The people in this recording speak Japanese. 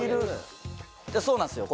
そうなんですよ